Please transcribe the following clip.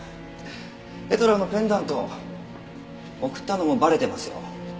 エトラのペンダント贈ったのもバレてますよ。